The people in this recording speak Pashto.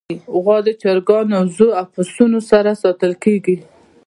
غوا د چرګانو، وزو، او پسونو سره ساتل کېږي.